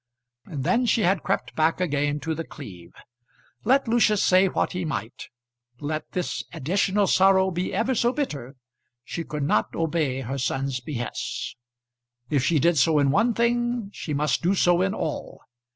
And then she had crept back again to The Cleeve. Let Lucius say what he might, let this additional sorrow be ever so bitter, she could not obey her son's behests. If she did so in one thing she must do so in all.